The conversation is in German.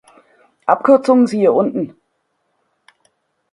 Abkürzungen siehe unten.